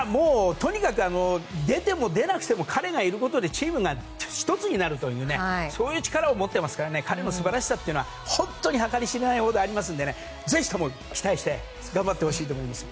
とにかく出ても出なくても彼がいることでチームが１つになるというそういう力を持っていますから彼の素晴らしさは計り知れないほどありますのでぜひとも期待して頑張ってほしいと思います。